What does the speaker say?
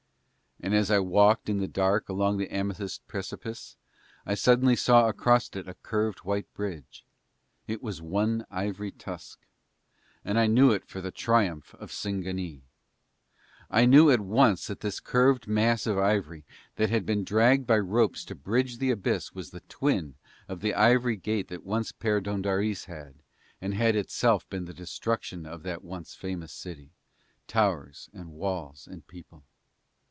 And as I walked in the dark along the amethyst precipice I suddenly saw across it a curved white bridge. It was one ivory tusk. And I knew it for the triumph of Singanee. I knew at once that this curved mass of ivory that had been dragged by ropes to bridge the abyss was the twin of the ivory gate that once Perdóndaris had, and had itself been the destruction of that once famous city towers and walls and people.